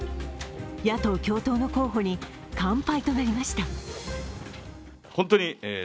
野党共闘の候補に完敗となりました。